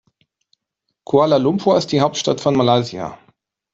Kuala Lumpur ist die Hauptstadt von Malaysia.